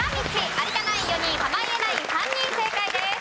有田ナイン４人濱家ナイン３人正解です。